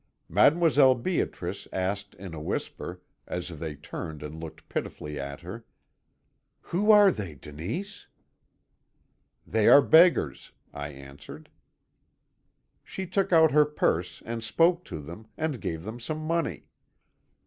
"Mdlle. Beatrice asked in a whisper, as they turned and looked pitifully at her: "'Who are they, Denise?' "'They are beggars,' I answered. "She took out her purse, and spoke to them, and gave them some money.